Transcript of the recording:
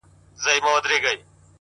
o له څه مودې راهيسي داسـي يـمـه ـ